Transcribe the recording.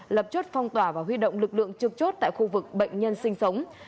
lập chốt phong tỏa và huy động lực lượng trực chốt tại khu vực bệnh nhân sinh sống